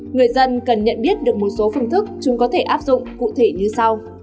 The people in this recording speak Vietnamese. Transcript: người dân cần nhận biết được một số phương thức chúng có thể áp dụng cụ thể như sau